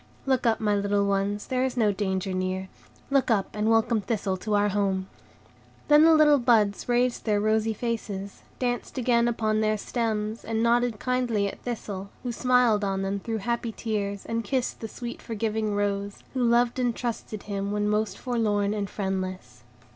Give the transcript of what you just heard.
Look up, my little ones, there is no danger near; look up, and welcome Thistle to our home." Then the little buds raised their rosy faces, danced again upon their stems, and nodded kindly at Thistle, who smiled on them through happy tears, and kissed the sweet, forgiving rose, who loved and trusted him when most forlorn and friendless.